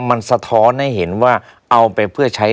มันสะท้อนให้เห็นว่าเอาไปเพื่อใช้